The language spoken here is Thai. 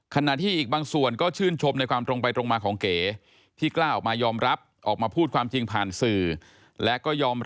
ขณะที่อีกบางส่วนก็ชื่นชมในความตรงไปตรงมาของเก๋ที่กล้าออกมายอมรับออกมาพูดความจริงผ่านสื่อและก็ยอมรับ